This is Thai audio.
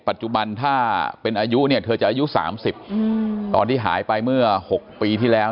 ปัจจุบันถ้าเป็นอายุเนี่ยเธอจะอายุ๓๐ตอนที่หายไปเมื่อ๖ปีที่แล้ว